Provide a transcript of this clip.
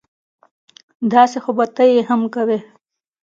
داسې خو به ته یې هم کوې